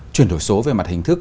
chuyển đổi số về mặt hình thức